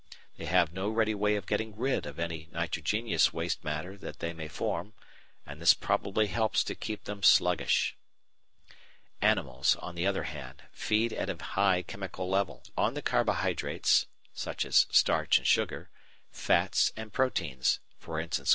They have no ready way of getting rid of any nitrogenous waste matter that they may form, and this probably helps to keep them sluggish. Animals, on the other hand, feed at a high chemical level, on the carbohydrates (e.g. starch and sugar), fats, and proteins (e.